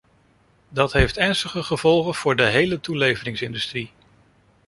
Dat heeft ernstige gevolgen voor de hele toeleveringsindustrie.